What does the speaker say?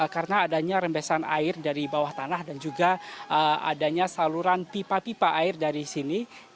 karena adanya rembesan air dari bawah tanah dan juga adanya saluran pipa pipa air dari sini